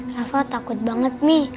rafa takut banget mi